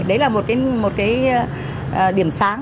đấy là một cái điểm sáng